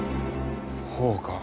ほうか。